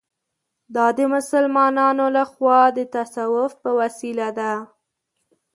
دا د مسلمانانو له خوا د تصوف په وسیله ده.